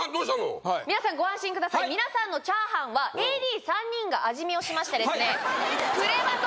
皆さんご安心ください皆さんのチャーハンはＡＤ３人が味見をしましてですねプレバト！！